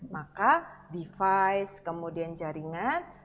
maka device kemudian jaringan